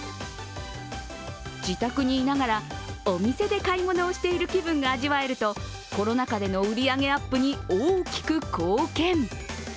自宅にいながら、お店で買い物をしている気分が味わえるとコロナ禍での売り上げアップに大きく貢献。